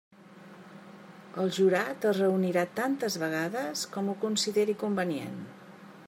El jurat es reunirà tantes vegades com ho consideri convenient.